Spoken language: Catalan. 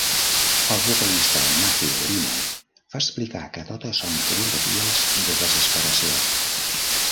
El vocalista Matthew Greener va explicar que totes són fotografies de desesperació.